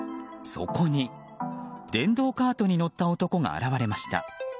そこに、電動カートに乗った男が現われました。